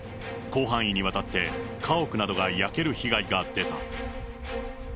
広範囲にわたって、家屋などが焼ける被害が出た。